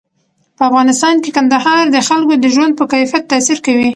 په افغانستان کې کندهار د خلکو د ژوند په کیفیت تاثیر کوي.